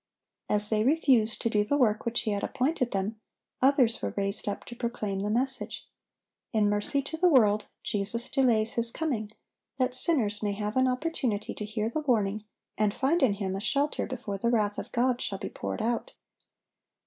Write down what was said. As they refused to do the work which He had appointed them, others were raised up to proclaim the message. In mercy to the world, Jesus delays His coming, that sinners may have an opportunity to hear the warning, and find in Him a shelter before the wrath of God shall be poured out.